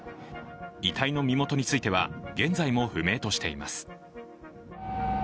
遺体の身元については現在も不明としています。